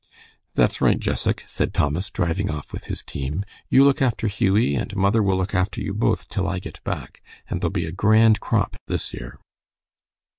"That's right, Jessac," said Thomas, driving off with his team; "you look after Hughie, and mother will look after you both till I get back, and there'll be a grand crop this year."